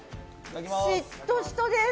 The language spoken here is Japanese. しっとしとです。